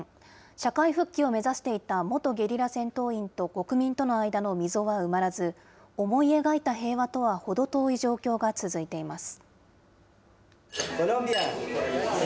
社会復帰を目指していた元ゲリラ戦闘員と国民との間の溝は埋まらず、思い描いた平和とは程遠い状況が続いています。